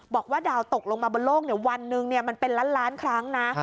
บอกว่าดาวตกลงมาบนโลกวันหนึ่งมันเป็นล้านล้านครั้งนะ